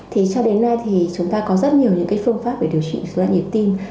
thì cho đến nay thì chúng ta có rất nhiều những cái phương pháp về điều trị dối loạn nhịp tim